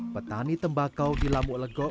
petani tembakau di lamuk legok